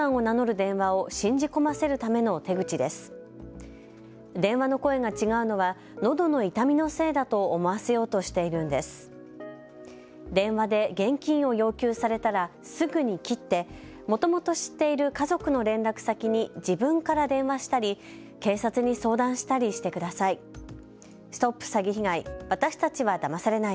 電話で現金を要求されたらすぐに切ってもともと知っている家族の連絡先に自分から電話したり警察に相談したりしてください。